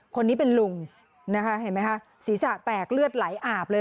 คนนี้เป็นลุงนะคะเห็นไหมคะศีรษะแตกเลือดไหลอาบเลย